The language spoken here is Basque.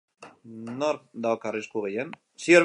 Nork dauka arrisku gehien?